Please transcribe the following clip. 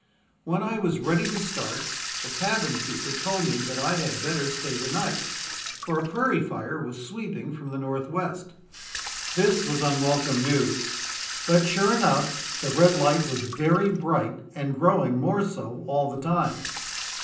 When I was ready to start, the tavern keeper told me that I had better stay the night, for a prairie fire was sweeping from the northwest. This was unwelcome news but sure enough, the red light was very bright and growing more so all the time.